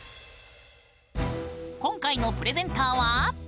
今回のプレゼンターは。